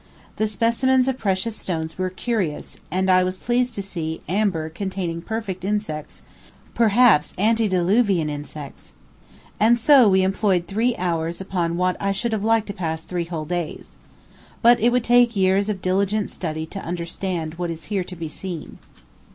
The specimens of precious stones were curious, and I was pleased to see amber containing perfect insects, perhaps antediluvian insects. And so we employed three hours upon what I should have liked to pass three whole days. But it would take years of diligent study to understand what is here to be seen.